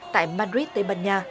tại madrid tây ban nha